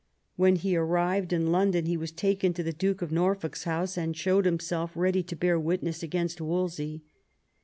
When he arrived in London he was taken to the Duke of Norfolk's house, and showed himself ready to bear witness against Wolsey.